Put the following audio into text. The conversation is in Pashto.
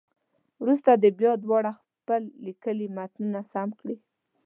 وروسته دې بیا دواړه خپل لیکلي متنونه سم کړي.